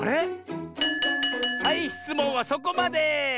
はいしつもんはそこまで！